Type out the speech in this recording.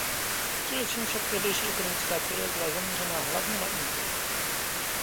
Především však tehdejší ekonomická teorie byla zaměřena hlavně na import.